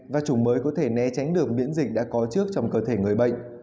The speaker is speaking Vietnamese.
và chủng mới có thể né tránh được miễn dịch đã có trước trong cơ thể người bệnh